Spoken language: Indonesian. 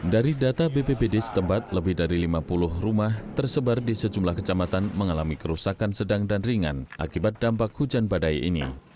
dari data bppd setempat lebih dari lima puluh rumah tersebar di sejumlah kecamatan mengalami kerusakan sedang dan ringan akibat dampak hujan badai ini